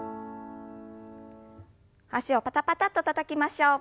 脚をパタパタッとたたきましょう。